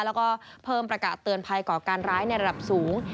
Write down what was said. แล้วก็เพิ่มประกาศเตือนภัยก่อการร้ายในระดับสูง